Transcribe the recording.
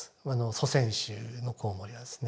祖先種のコウモリがですね。